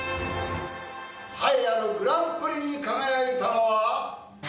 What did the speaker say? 栄えあるグランプリに輝いたのは。